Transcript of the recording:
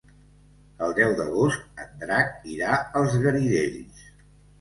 El deu d'agost en Drac irà als Garidells.